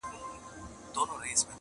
په حيرت حيرت يې وكتل مېزونه٫